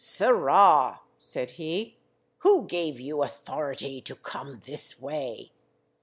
"Sirrah," said he, "who gave you authority to come this way?